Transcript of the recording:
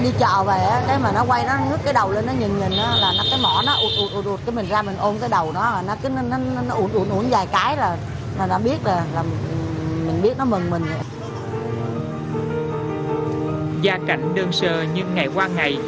nhưng ngày qua ngày